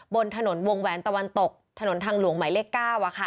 บนถนนวงแหวนตะวันตกถนนทางหลวงหมายเลข๙